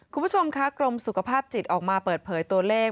คุณผู้ชมค่ะกรมสุขภาพจิตออกมาเปิดเผยตัวเลข